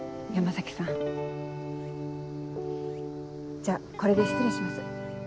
じゃこれで失礼します。